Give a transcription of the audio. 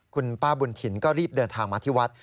คุณป้าบุญถิ่นก็รีบเดินทางมาที่วัด